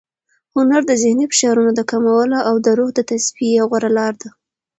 هنر د ذهني فشارونو د کمولو او د روح د تصفیې غوره لار ده.